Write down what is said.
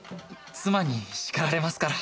「妻に叱られますから」。